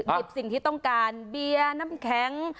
หยิบสิ่งที่ต้องการเบียร์น้ำแข็ง